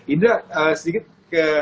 indra sedikit ke